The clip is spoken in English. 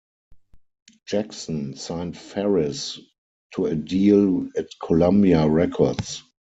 Jackson signed Farris to a deal at Columbia Records.